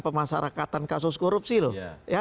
pemasarakatan kasus korupsi loh